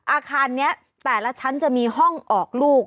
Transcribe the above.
อาคารนี้แต่ละชั้นจะมีห้องออกลูก